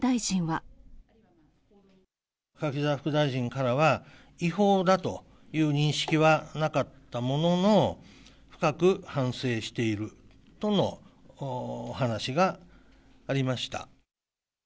柿沢副大臣からは、違法だという認識はなかったものの、深く反省しているとの話がありました。